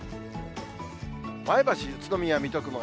前橋、宇都宮、水戸、熊谷。